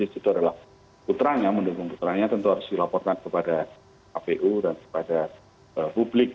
itu adalah putranya mendukung putranya tentu harus dilaporkan kepada kpu dan kepada publik